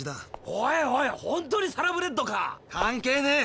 おいおいほんとにサラブレッドか⁉関係ねえ！